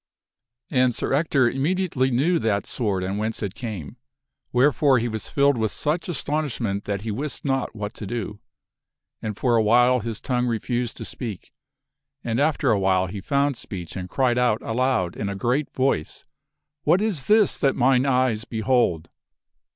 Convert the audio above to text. And Sir Ector immediately knew that sword and whence it came. Wherefore he was filled with such astonishment that he wist not what to do. And for a while his tongue refused f r ld f t c h f t r he be ~ to speak, and after a while he found speech and cried out sword. aloud in a great voice, " What is this that mine eyes behold